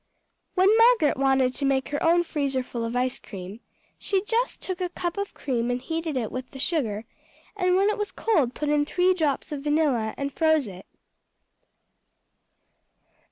When Margaret wanted to make her own freezer full of ice cream, she just took a cup of cream and heated it with the sugar, and when it was cold put in three drops of vanilla and froze it.